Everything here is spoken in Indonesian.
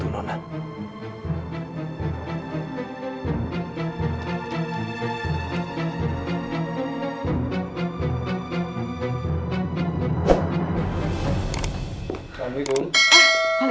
udah mana sini